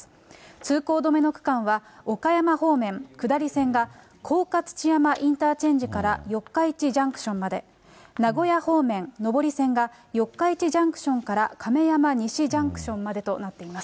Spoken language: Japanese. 通行止めの区間は岡山方面下り線が甲賀土山インターチェンジから四日市ジャンクションまで、名古屋方面上り線が、四日市ジャンクションから亀山西ジャンクションまでとなっています。